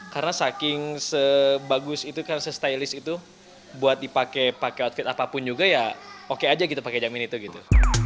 karena saking sebagus itu karena se stylist itu buat dipakai pakai outfit apapun juga ya oke aja gitu pakai jam ini tuh gitu